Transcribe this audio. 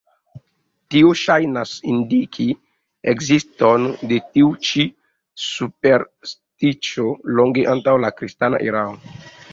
Tio ŝajnas indiki ekziston de tiu ĉi superstiĉo longe antaŭ la kristana erao.